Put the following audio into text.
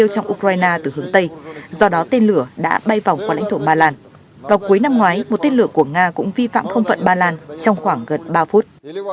nếu có bất kỳ dấu hiệu nào cho thấy vật thể này đang hướng tới một mục tiêu trong ukraine từ hướng tây do đó tiên lửa đã bay vòng qua lãnh thổ ba lan vào cuối năm ngoái một tiên lửa của nga cũng vi phạm không phận ba lan trong khoảng gần ba phút